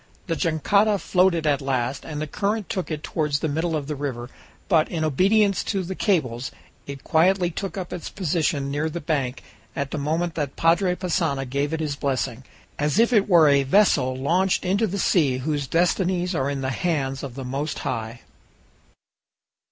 The jangada floated at last, and the current took it toward the middle of the river, but, in obedience to the cables, it quietly took up its position near the bank at the moment that Padre Passanha gave it his blessing, as if it were a vessel launched into the sea whose destinies are in the hands of the Most High!